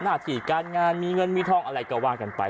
หน้าที่การงานมีเงินมีทองอะไรก็ว่ากันไป